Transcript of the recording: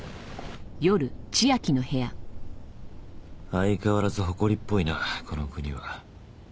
相変わらずほこりっぽいなこの国は。